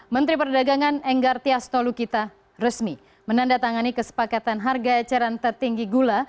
menteri perdagangan enggar tias tolukita resmi menandatangani kesepakatan harga eceran tertinggi gula